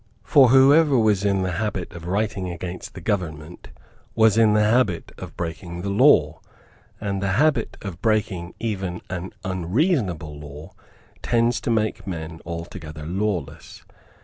For whoever was in the habit of writing against the government was in the habit of breaking the law; and the habit of breaking even an unreasonable law tends to make men altogether lawless.